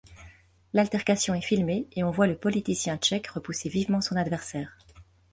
L'altercation est filmée et on voit le politicien tchèque repousser vivement son adversaire.